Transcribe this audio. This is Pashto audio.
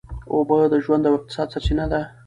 اوبه د ژوند او اقتصاد سرچینه ده.